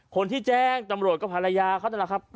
คนที่แจ้งตำรวจก็ภรรยาเขานั่นแหละครับ